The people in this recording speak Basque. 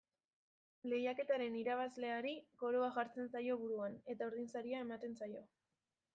Lehiaketaren irabazleari koroa jartzen zaio buruan eta ordainsaria ematen zaio.